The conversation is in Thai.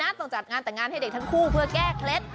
ต้องจัดงานแต่งงานให้เด็กทั้งคู่เพื่อแก้เคล็ด